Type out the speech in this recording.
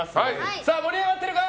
さあ、盛り上がってるかい！